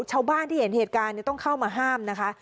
ชาวบ้านที่เห็นเหตุการณ์ต้องเข้ามาห้ามนะคะ